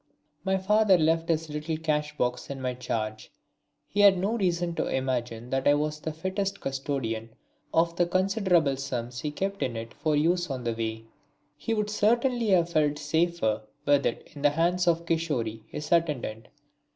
My father left his little cash box in my charge. He had no reason to imagine that I was the fittest custodian of the considerable sums he kept in it for use on the way. He would certainly have felt safer with it in the hands of Kishori, his attendant.